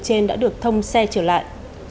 trên đã được thông xe trở lại